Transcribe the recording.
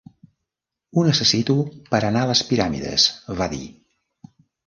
"Ho necessito per anar a les piràmides", va dir.